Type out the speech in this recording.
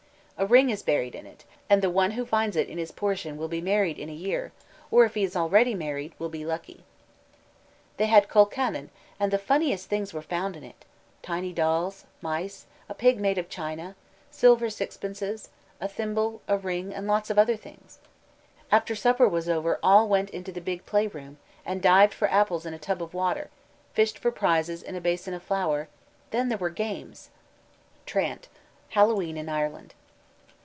A ring is buried in it, and the one who finds it in his portion will be married in a year, or if he is already married, will be lucky. "They had colcannon, and the funniest things were found in it tiny dolls, mice, a pig made of china, silver sixpences, a thimble, a ring, and lots of other things. After supper was over all went into the big play room, and dived for apples in a tub of water, fished for prizes in a basin of flour; then there were games " TRANT: _Hallowe'en in Ireland.